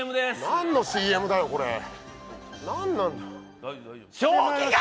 何のＣＭだよこれ何なんだ正気か！？